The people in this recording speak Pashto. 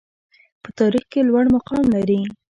په تاریخ کې لوړ مقام لري.